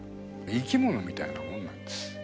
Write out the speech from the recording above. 生き物みたいなもんなんです。